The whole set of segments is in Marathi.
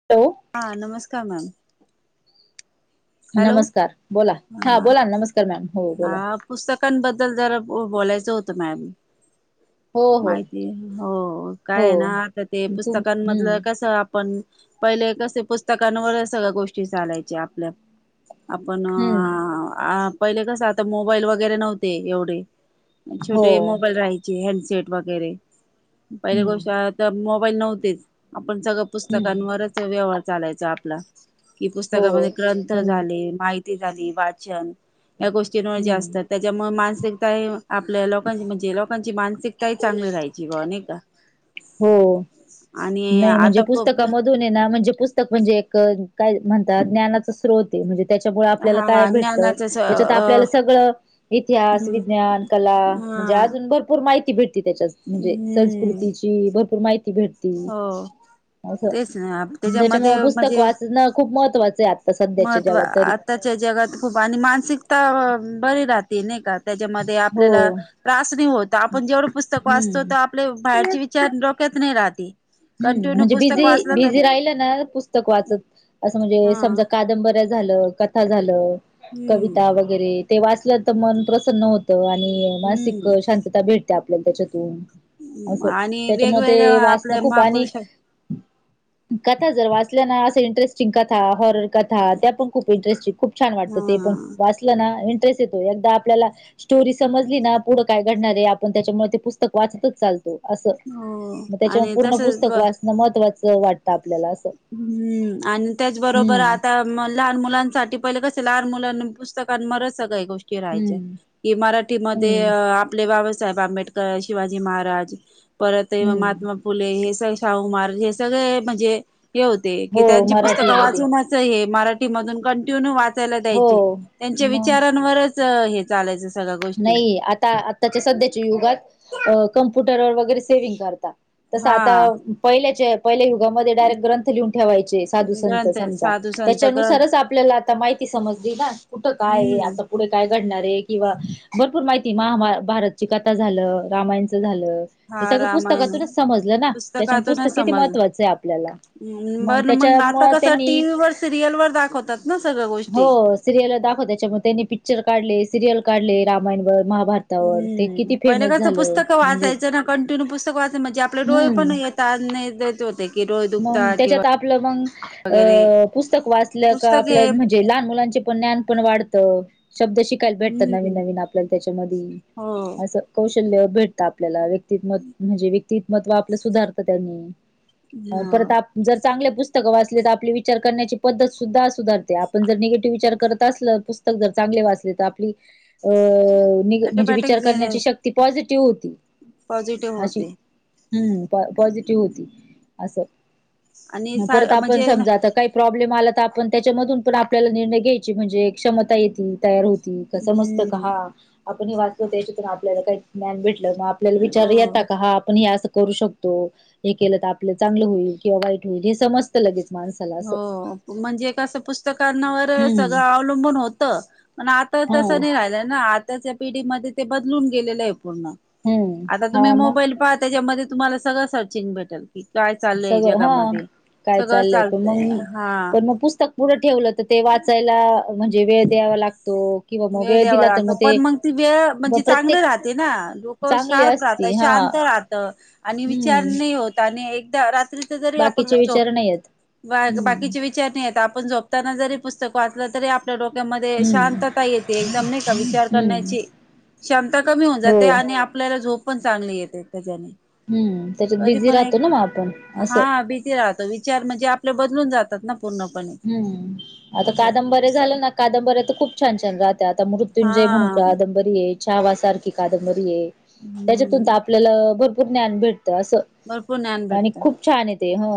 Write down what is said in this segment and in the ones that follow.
[inaudible] हा नमस्कार मॅम. हॅलो नमस्कार बोला, हा बोला नमस्कार मॅम, हो बोला. हा पुस्तकांबद्दल जरा ब बोलायचं होतं मॅम. हो हो माहितीये हो हो काय ना आता ते तू हम्म पुस्तकांमधलं कसं आप पण पहिले कसे पुस्तकांनवर सगळ्या गोष्टी चालायची आपल्या. आपण हम्म आ पहिले कसं आता मोबाईल वगैरे नव्हते एवढे. हो छोटे मोबाईल राहायचे हॅन्डसेट वगैरे पहिली हम्म गोष्ट आता मो बाईल नव्हते, आपण सगळं हम्म पुस्तकांवरच व्यवहार चालायचा आपला कि हो पुस्तकामध्ये ग्रंथ पण झाले, माहिती झाली, वाचन या गोष्टींवर जे हम्म असतात. त्याच्यामुळे मानसिकता, ही आपल्या लोकांची म्हणजे लोकांची मानसिकताही चांगली राहायची बॉ नही का. [inaudible] हो! आणि आता प-प. जून ये ना म्हणजे पुस्तक म्हणजे एक क काय म्हणतात ज्ञानाचा स्रोत ते म्हणजे त्याच्यामुळ आपल्याला काय हा भेटतं, ज्ञानाच अस अ त्याच्यात आपल्याला सगळं इतिहास, हम्म विज्ञान, कला, म्हणजे हा अजून भर पूर माहिती भेटते त्याच्यात म्हणजे हम्म संस्कृतीची भरपूर माहिती भेट ती हो तेच ना असं त्याच्यामुळ त्याच्यामध्ये पुस्तक म्हणजे वाचणं खूप महत्वाचं आहे आ महत्त्व आताच्या जगात खूप, आणि मानसिकता बरी राहते नही का. त्याच्यामध्ये हो. आपल्याला त्रास नाही होत, आपण जेवढं पुस्तक वाचतो हम्म त आपले बाहेरचें विच चार डोक्यात नाही राहती. हम्, म्हणजे बिझी, बिझी राहिल ना, पुस्तक वाचत, असं म्हणजे हा समजा कादंबरी झालं, कथा झालं, हम्म कविता वगैरे ते वाचलं तर मन प्रसन्न हो त आणि मानसिक हम्म शांतता भेटते आपल्याला त्याच्यातून. असं आणि त्याच्यामुळे वेगवेगळ्या ते वाचणं आपल्या खूप आणि महापुरुषा कथा जर वाचल्या ना, असं इंटरेस्टिंग कथा, हॉरर कथा, त्या पण खूप इंटरेस्टिंग छान हा वाटतं ते पण, वाचलं ना इंटरेस्ट येतो. एकदा आपल्याला स्टोरी समजली ना, पुढं काय घडणारे, आपण त्याच्यामुळे ते पुस्तक वाचतच चाल असं, हो त्याच्यामुळ आणि पूर्ण तसच पुस्तक ब वाचणं महत्त्वाचं वाटतं आपल्याला. हम्म, आणि त्याचबरोबर हम्म आता म लहान मुलांसाठी पहिले कसे, लहान मुलांना पुस्तकांवरच सगळे गो ष्टी रहायच्या, हम्म की मराठीमध्ये हम्म आ पले बाबासाहेब आंबेडकर, शिवाजी महाराज परत ते हम्म महात्मा फुले हे स शाहुमहाराज हे सगळे म्हणजे हे होते की, हो त्यांची पुस्तकं मराठीमध्ये वाचूनच च हे मराठी मधून कंटिन्यू वाचायला हो द्यायचे, त्यांच्या मग विचारांवर च हे चालायचं सगळ्या गोष्टी. हे आता आ आताच्या सध्याच्या युगात, अ कम्प्युटरवर वगैरे सेविंग करता तस हा आता पहिल्याच्या, पहिल्या युगामध्ये डायरेक्ट ग्रंथ लिहून ठेवायचे साधू संत ग्रंथ समजा साधू संत ग्रंथ त्याच्यानुसारच आपल्याला आता माहिती समजली ना, कुठं काय हे आ हम्म पुढे काय घडणारेय किंवा भरपूर माहिती, महा मा भारतची कथा झालं, रामायणचं झालं हा हे सगळं रामायण पुस्तकातूनच समजलं ना, त्याच्या पुस्तक पुस्तकातूनच किती समज महत्त्वाचंय आपल्याला. मग बर म्हणलं आता त्याच्यामुळं कसं त्यांनी टीव्ही वर, सिरियल वर दाखवतात ना सगळं गोष्टी. सिरियलला दाखव त्याच्यामुळे त्यांनी पिक्चर काढले, सिरियल काढले रामायणवर, महाभारत हम्म, पहिले कसं पुस्तक म्हणजे वाचायचं ना, कंटिन्यू पुस्तक वाचाय म्हणजे आपले डोळे पण हम्म. ये [unintelligible] [inaudible] [unintelligible] ही रोज मग त्याच्यात आपलं मग अ, पुस्तक वाचलं का, पुस्तक हे आपलं म्हणजे लहान मुलांचे पण ज्ञान पण वाढतं, शब्द शिकायला भेटतात आणि हम्म नवीन आपल्याला त्याच्यामधी हो असं कौशल्य भेटत आपल्याला, व्यक्तितमत म्हणजे व्यक्तिमत्व आपलं सुधारतं त्यांनी. परत ह आप जर चांगले पुस्तक वाचले तर, आपले विचार करण्याची पद्धत सुद्धा सुधारते. आपण जर निगेटिव्ह विचार करत असलं पुस तक जर चांगले वाचले तर आपली, अ नि म्हणजे ऑटोमॅटिक विचार जे करण्याची श क्ती पॉझिटिव्ह होती. पॉझिटिव्ह होते. हम् पॉझिटिव्ह होती असं, आणि सा परत आपण म्हणजे समजा आता काही प्रॉब्लेम आला तर आपण त्याच्यामधून पण आपल्याला निर्णय घ्यायची, म्हणजे क्षमता येती तयार होऊ क समजत का, हम्म हा आपण हे वाचलवत, ह्याच्यातून आपल्याला काय ज्ञान भेटलं का? आपल्याला विचार येता हो का, हा आपण हे असं करू शकतो, हे केलं तर आप चांगलं होईल, किंवा वाईट होईल हे समज त लगीच माणसाला. असं हो, म्हणजे कसं पुस्तकांवर हम्म सगळं अवलंबून होतं पण आता हा तसं नाही राहिलंय ना, आ आताच्या पिढीमध्ये ते बदलून गेलेलं आहे पूर्ण. हम्म आता तुम्ही हा मग मोबाईल पहा त्याच्यामध्ये तुम्हाला सगळं सर्चिंग भेटल की, काय चालंय सगळं हा जगामध्ये काय सगळं चाललंय चाल पण मग पण मग, पुस्तक पुढं ठेवलं तर ते वाचायला म्हणजे वेळ द्यावा लागतो. किंवा मग वेळ द्यावा दिला तर लागतो ते पण मग ती वेळ म्हणजे प्रत्येक चांगली राहते ना डोकं चांगली शार्प राहतं, असती हा शांत राहतं. आणि विचार हम्म नाही होत आणि एकदा रा तिथं तरी आपण बाकीचे म्हणतो, विचार नाही येत बाया हम्म बाकीचे वि चार नाही येत. आपण झो पताना जरी पुस्तक वाचलं तरी आपल्या डोक्यामध्ये हम्म शांत ते एकदम नाही का, विचार कर हम्म ण्याची क्षमता कमी होऊन हो जाते आणि णि आपल्याला झोप पण चांगली येते त्यज्याने. हम्म त्याच्यात कधी बिझी पण राहतो ना मग आपण असं हा भिती राहते. विचार म्हणजे आपले बदलून जातात ना पूर्णपणे हूं आता असं कादंबरी पुस्तक. झालं ना कादंबरी तर खूप छान छान रा आता हा मृत्युंजय म्हणून कादंबरी आहे, छावासारखी कादंबरी आहे. त्याच्यातून हम्म तर आपल्याला भरपूर ज्ञान भेटतं भरपूर ज्ञान असं आणि भेटत खूप छान आहे. ते हो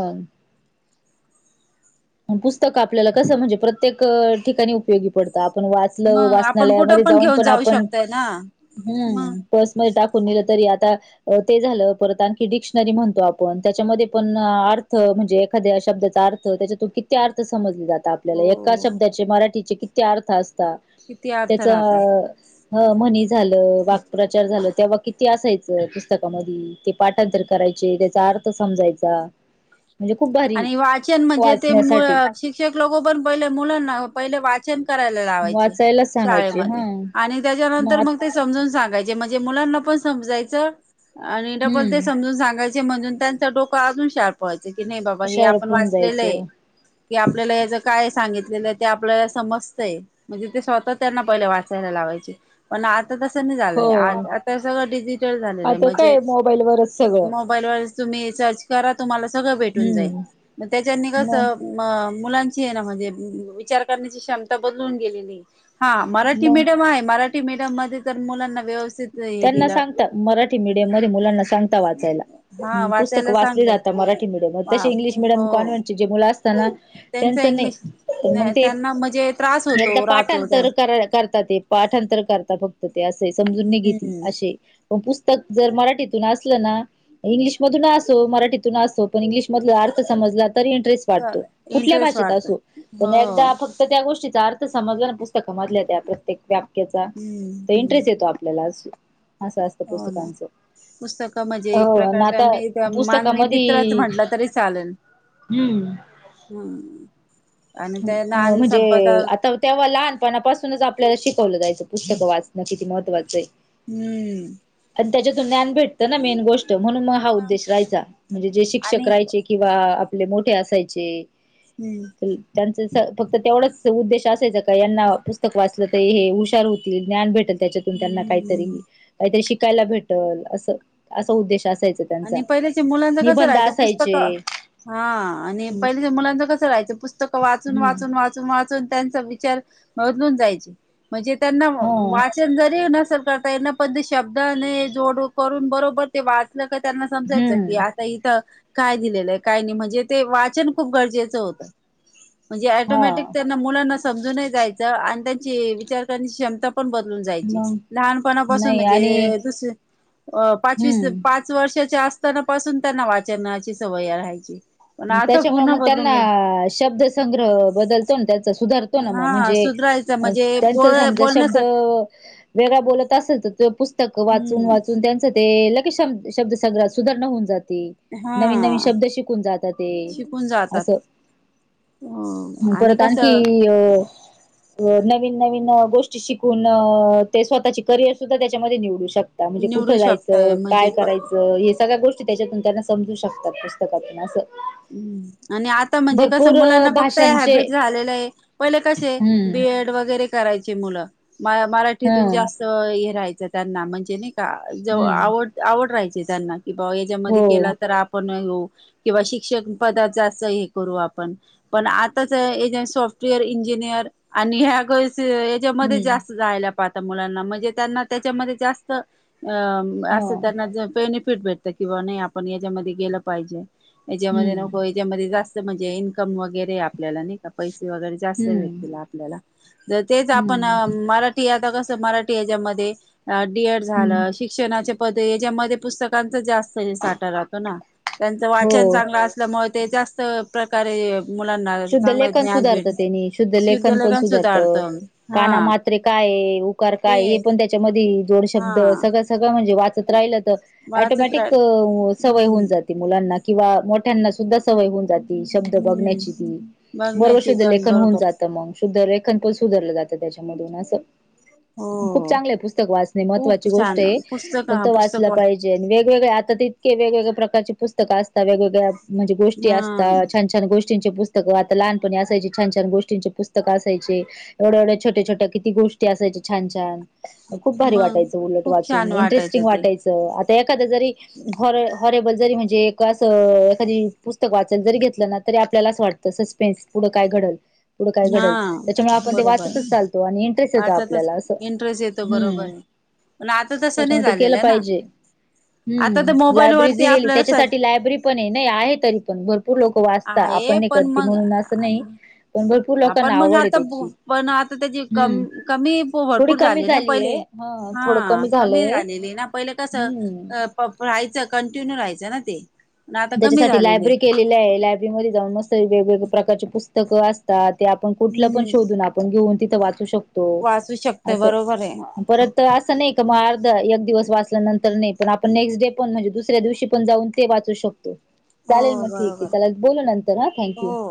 पुस्तक आपल्याला कसं म्हणजे प्रत्येक ठिकाणी उपयोगी पडतं. आता आपण वाचलं मग आपण कुठं वाचनालयामध्ये जाऊन घेऊन पण जाऊ आपण शकतय ना मग हम्. पर्समध्ये टाकून नेलं तरी आता ते झालं परत आणखी डिक्शनरी म्हणतो आपण त्याच्यामध्ये पण अर्थ म्हणजे एखाद्या शब्दांचा अर्थ त्याच्यातून किती अर्थ समजले जातात आपल्याला हो एका शब्दाचे मराठीचे किती अर्थ असतात. किती अर्थ त्याचा राहतय म्हणी झालं, वाक्प्रचार झालं त्या वाक्य किती असायचं पुस्तकामध्येध ते पाठांतर करायचे त्याचा अर्थ समजायचा. म्हणे खूप भारी आणि वाचन म्हणजे ते वाचण्यासाठी मुळात शिक्षक लोकं पण पहिले मुलांना पहिले वाच घन करायला लावायचे वाचायलाच सांगायचे हा शाळेमध्ये आणि त्याच्यानंतर मग ते समजून सांगायचे म्हणजे मुलांना पण समजायचं आणि डबल ते हम्म समजून सांगायचं. चे म्हणून त्यांचा डोकं अजून शार्प व्हायचं की नाही बाबा हे आपण शार्प होऊन वाचलेलं आहे. जायचं कि आपल्याला याच काय सांगितलेलं आहे ते आपल्याला समजतंय. म्हणजे ते स्वतः त्यांना पहिले वाचायला लावायचे. पण आता तसं नाही झालंय आ हो आता सगळं डिजिटल झालेलं आहे आता म्हणजे काय मोबाईलवरच सगळं मोबाईलवरच तुम्ही सर्च करा तुम्हांला सगळं भेटून जाईल हम्म मग त्याच्यानी मग कसं म मुलांची आहे ना म्हणजे विचार करण्याची क्षमता बदलून गेलेली. हा मराठी मग मीडियम आहे मराठी मीडियम मध्ये तर मुलांना व्यवस्थित हे त्यांना दिलं. सांगतात मराठी मिडियम मध्ये मुलांना सांगतात वाचायला. हा ह पुस्तक वाचायला वाचले सांगतय जाता मराठी मिडियमात वा तसे इंग्लिश मिडीयम हो कॉन्व्हेन्टची जी मुलं अस त्यांना त्यांच नाही मग नाही ते त्यांना म्हणजे त्रास होतो एकदा राहतो त्या पाठांतर करतात ते पाठांतर करता फक्त ते असं समजून नाही घेत. हम्म ते मग पुस्तक जर मराठीतून असलं ना इंग्लिश मधून असो, मराठीतून असो पण इंग्लिश मधला अर्थ समजला तरी ट्रेस चल वाढतो कुठल्या इंटरेस्ट भाषेत वाटत असो पण हो ह्याच्या मग तर त्या गोष्टीचा अर्थ समजला न पुस्तकं मधल्या त्या प्रत्येक व्या क्याचा हम्म तर हम्म इंटरेस्ट येतो आपल्याला असं असतं हो ना पुस्तकांच. पुस्तकं म्हणजे एक प्रकार मी मानवी मित्रच पुस्तकामध्ये म्हटलं तरी चालेल. हम्म हम म्हणजे आता तेव्हा लहानपणापासूनच आपल्याला शिकवलं जायचं पुस्तक वाचणं किती महत्त्वाचं आहे. हंम. त्याच्यातून ज्ञान भेटतं ना मेन गोष्ट म्हणून मग हा उद्देश रहायचा. म्हणजे जे आणि शिक्षक रहायचे किंवा आपले मोठे असायचे. हम. ते त्यांचं फक्त तेवढाच उद्देश असायचा का यांना पुस्तक वाचलं तर हे हुशार होतील ज्ञान भेटल. त्याच्यातून त्यांना काहीतरी हम्म काहीतरी शिकायला भेटल अस -असा उद्देश असायच. आणि पहिल्याच्या मुलांचं कसं राहायचं पुस्तकं हा आणि पहिलाच्या मुलांचं कसं राहायचं पुस्त पुस्तकं वाचून, हम्म वाचून, वाचून, वाचून त्यांचा विचार बदलून जायचे. म्हणजे त्यांना ह वाचन जरी नसेल करता येत पण ते शब्दाने जोड करून बरोबर ते वाचलं का त्यांना समजायचं की हम्म आ इथं काय दिलेलं आहे काय नाही म्हणजे ते वाचन खूप गरजेचं होतं. म्हणजे हा टोमॅटिक त्यांना मुलांना समजून जायचं. आणि त्यांची विचार करण्या क्षमता पण बदलून जायची. मग लहानपणापासून नाही आणि म्हणजे दुस अ पाचवीस हम्म पाच वर्षाच्या असताना पासून त्यांना वाचनाची सवय राहायची. पण आता त्याच्यामुळे पूर्ण मग बदलून त्यांना गेल शब्द संंग्रह बदल त्यां सुधारतो ना मग हा म्हणजे सुधरायचं म्हणजे त्यांच बोल समजा शब्द बोलण्यासाठी वेगळा बोलत असेल तर त पुस्तक वाचून, हम्म वाचून त्यांचं ते लक्षेशम शब्द संग्रात सुधारणा होऊन जाते नवीन- नवीन हा शब्द शिकून जाते. ते शिकून जातात असं हो आणि परत आणखी कसं अ नवीन नवीन गोष्टी शिकून ते स्वतःची करिअर सुद्धा त्याच्यामध्ये निवडू शक या. म्हणजे निवडू कुठं शकताय जायचं, काय म्हणजे प करायचं, हे सगळ्या गोष्टी त्याच्यातून त्यांना समजू शकतात पुस्तकातून अस. हम्म! आणि आ म्हणजे कस मुलांना फक्त भाषांचे हबिट झाले आहे, पहिले कशे हम्म बीएड वगैरे करायचे मुलं म- हा मराठीतून जास्त हे राहायचं त्यांना म्हणजे नाही. हम्म आवड- आवड राहायची त्यांना की बा हो याच्यामध्ये केला तर पण येऊ किंवा शिक्षण पदाच अस हे करू आपण. पण आताच सॉफ्टवेअर, इंजिनियर आणि ह्या ग हम्म जास्त जायला पाह मुलांना म्हणजे त्यांना त्याच्यामध्ये जास्त अ हो असं त्यांना बेनिफिट भेटतं किंवा नाही आपण याच्यामध्ये गेलं पाहिजे. याच्यामध्ये हम्म नको याच्यामध्ये जास्त म्हणजे इन्कम वगैरे आपल्याला नइ. पैसे वगैरे जास्त भेटतील. हम्म आपल्याला ज तेच आपण हम्म मराठी आता कसं मराठी याच्यामध्ये डी एड हम्म झालं शिकष शिक्षणाचे पद याच्यामध्ये पुस्तकांचा जास्त साठा राहतो ना. त्यांचं हो वाचन चांगलं अस मुळे ते जास्त प्रकारे मुलांना शुद्ध चांगलं लेखन ज्ञान भेट सुधारतं त्यानी शुद्ध लेखन पण शुद्धलेखन सुधारत. सुधारतं हा काना मात्रे काय, उकार ते काय हे पण त्याच्या जोड हा शब्द सगळं- सगळं म्हणजे वाचत राहिलं तर वाचत टोमॅटिक राहील सवय होऊन हम्म जाते. मुलांना किंवा मोठ्यांना सुद्धा सवय होऊन जाते शब्द हम्म बघण्याची. बर बघण्याची शुद्ध पण लेखन होऊन बरोबर जातं मग, शुद्ध लेखन पण सुधारलं जातं त्याच्यामधून असं. खूप हो चांगलं आहे पुस्तक वाचणे खूप महत्त्वाची गोष्ट छान आहे पुस्तक हा फक्त पुस्तक वाचलं वाच पाहिजे वेगवेगळे आता तितके वेगवेगळे प्रकारची पुस्तकं असत वेगवेगळ्या म्हणजे गोष्टी हा असतात छान छान गोष्टींचे पुस्तक पुस्तक आता लहानपणी असायचे छान छान गोष्टींचे पुस्तक असायचे एवढ्या एवढ्या छोट छोट्या किती गोष्टी असय छ छान खूप भारी मग वाटायचं उलट खूप वाचून छान वाटायचं इंटरेस्टिंग ते वाटायचं आता एखाद जरी हॉ हॉरेबल जरी म्हणजे एकाच एखादी पुस्तक वाचाल जरी घेतलं ना तरी आपल्यालाच वाटत तर सस्पेन्स पुढं काय घडल पुढं काय हा घडल त्याच्यामुळे आपण ते बरोबर वाचतच चालतो आणि इंटरेस्ट येतो वाचातच आपल्याला असं इंटरेस्ट येतो बरोबर हम् आहे पण आता तसं नाही त्याच्यामध्ये केलं झालेलं आहे ना पाहिजे आता तर हम्म मोबाईल लायब्ररी वरती जलेली आपल्याला स त्याच्यासाठी लायब्ररी पण नाही आहे तरी पण भरपूर लोक वाचतात आपण नाही करते मग म्हणून असं नाही पण भरपूर हा लोकांना पण मग आवड आहे आता त्याची पण आता त्याची क हम्म कमी थोडी भरपूर कमी झाली ना पहिले झालीय हा थोडं कमी झालंय झालेली ना पहिलं कस हम्म अ राहायचं कंटिन्यू राहायचं ना ते पण आता कमी त्याच्यासाठी झालेले लायब्ररी के लायब्ररीमध्येध्ये जाऊन मस्त वेगवेगळ प्रकारचे पुस्तकं असतात ते आपण कुठलं पण हम्म शोधूो आपण घेऊन तिथं वाचू शकतो वाचू शकते अस बरोबर आहे परत तर असं नाही का मग अर्ध एक दिवस वाचल्यानंतर नाही पण आपण नेक्स्ट डे पण म्हणजे दुसऱ्या दिवशी पण जाऊन ते वाचू शकतो हो चालेल मग ठीक आहे बरोबर चाल बोल नंतर हा थँक यू हो